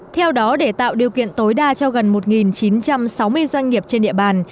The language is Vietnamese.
theo đó để tạo điều kiện tối đa cho gần một chín trăm sáu mươi doanh nghiệp trên địa bàn